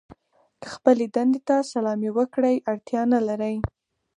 که خپلې دندې ته سلامي وکړئ اړتیا نه لرئ.